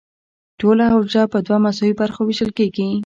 ټوله حجره په دوه مساوي برخو ویشل کیږي.